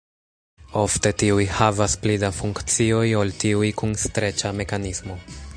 Ofte tiuj havas pli da funkcioj ol tiuj kun streĉa mekanismo.